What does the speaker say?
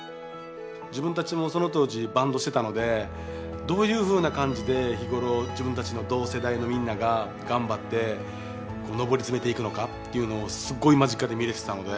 自分たちもその当時バンドしてたのでどういうふうな感じで日頃自分たちの同世代のみんなが頑張って上り詰めていくのかっていうのをすっごい間近で見れてたので。